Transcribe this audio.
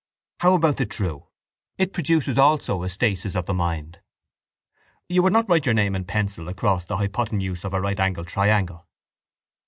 How about the true? It produces also a stasis of the mind. You would not write your name in pencil across the hypothenuse of a rightangled triangle.